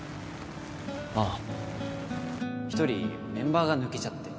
ああ１人メンバーが抜けちゃって